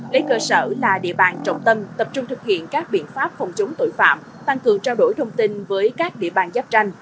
lấy cơ sở là địa bàn trọng tâm tập trung thực hiện các biện pháp phòng chống tội phạm tăng cường trao đổi thông tin với các địa bàn giáp tranh